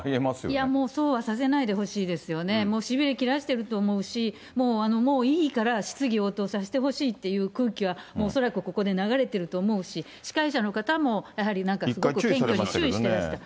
いや、もうそうはさせないでほしいですよね、もうしびれきらしていると思うし、もういいから質疑応答させてほしいという空気はもう恐らくここで流れていると思うし、司会者の方も、やはりなんか注意してました。